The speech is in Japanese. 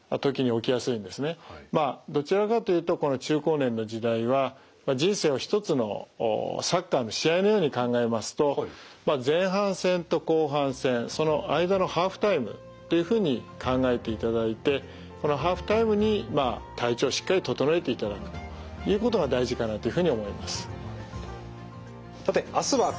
まあどちらかというとこの中高年の時代は人生を一つのサッカーの試合のように考えますと前半戦と後半戦その間のハーフタイムというふうに考えていただいてこのハーフタイムにまあ体調をしっかり整えていただくということが大事かなというふうに思います。